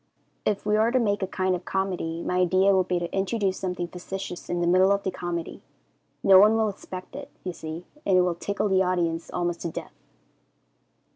If we are to make a kind of comedy, my idea would be to introduce something facetious in the middle of the comedy. No one will expect it, you see, and it will tickle the audience almost to death.